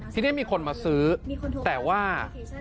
ทีนี้มีคนมาซื้อแต่ว่า